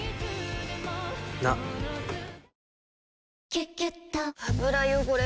「キュキュット」油汚れ